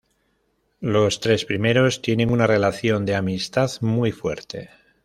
Los tres primeros tienen una relación de amistad muy fuerte.